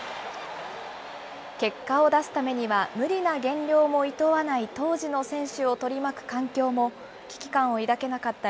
結果を出すためには無理な減量もいとわない当時の選手を取り巻く環境も危機感を抱けなかった